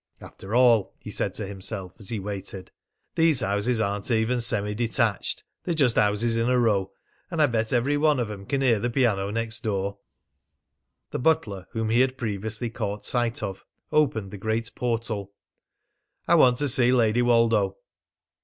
"After all," he said to himself as he waited, "these houses aren't even semi detached! They're just houses in a row, and I bet every one of 'em can hear the piano next door!" The butler whom he had previously caught sight of opened the great portal. "I want to see Lady Woldo."